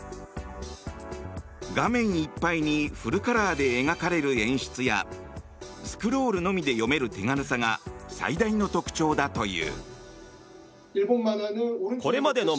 画面いっぱいにフルカラーで描かれる演出やスクロールのみで読める手軽さが最大の特徴だという。